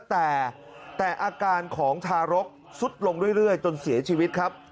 แต่อาการของทารกสุดลงเรื่อยจนเสียชีวิตครับ